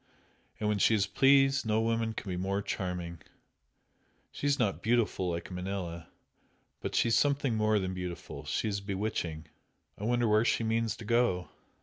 And when she is pleased no woman can be more charming! She is not beautiful, like Manella but she is something more than beautiful she is bewitching! I wonder where she means to go!"